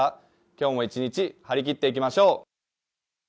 今日も一日張り切っていきましょう！